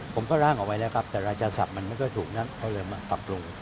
ผมก็ร่างออกไว้แล้วครับแต่ราชาศัพท์มันก็ถูกนั้นเพราะเลยมาปรับปรุง